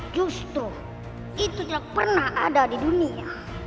justru itu tidak pernah ada di dunia